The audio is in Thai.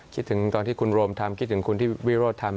คิดถึงตอนที่คุณโรมทำคิดถึงคุณที่วิโรธทำ